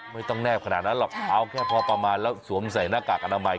แนบขนาดนั้นหรอกเอาแค่พอประมาณแล้วสวมใส่หน้ากากอนามัย